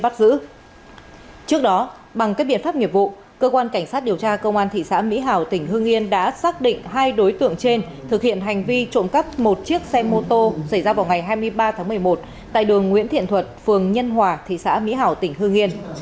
trước đó bằng các biện pháp nghiệp vụ cơ quan cảnh sát điều tra công an thị xã mỹ hảo tỉnh hương yên đã xác định hai đối tượng trên thực hiện hành vi trộm cắp một chiếc xe mô tô xảy ra vào ngày hai mươi ba tháng một mươi một tại đường nguyễn thiện thuật phường nhân hòa thị xã mỹ hảo tỉnh hương yên